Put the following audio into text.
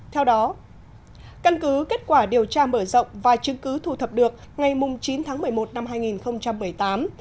theo đó căn cứ kết quả điều tra mở rộng và chứng cứ thu thập được ngày chín tháng một mươi một năm hai nghìn một mươi tám